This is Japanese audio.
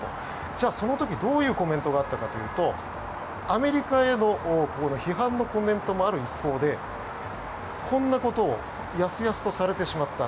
じゃあ、その時どういうコメントがあったかというとアメリカへの批判のコメントもある一方でこんなことを易々とされてしまった。